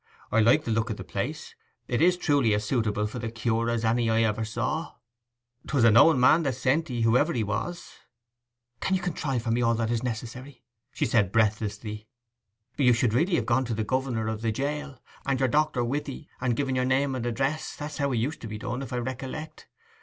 I like the look of the place; it is truly as suitable for the cure as any I ever saw. 'Twas a knowing man that sent 'ee, whoever he was.' 'You can contrive for me all that's necessary?' she said breathlessly. 'You should really have gone to the governor of the jail, and your doctor with 'ee, and given your name and address—that's how it used to be done, if I recollect.